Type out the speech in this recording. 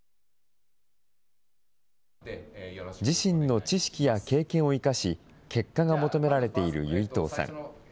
自身の知識や経験を生かし、結果が求められている由比藤さん。